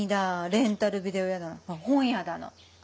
レンタルビデオ屋だの本屋だの。